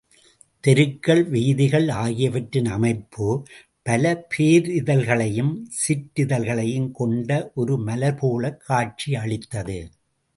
தெருக்கள், வீதிகள் ஆகியவற்றின் அமைப்பு, பல பேரிதழ்களையும் சிற்றிதழ்களையும் கொண்ட ஒரு மலர்போலக் காட்சி அளித்தது.